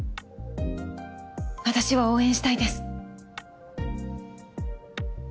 私は応援したいです。